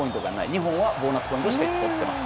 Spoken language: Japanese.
日本はボーナスポイントとってます。